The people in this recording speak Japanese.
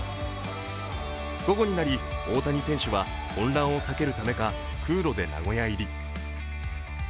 午後になり、大谷選手は混乱を避けるためか空路で名古屋入り。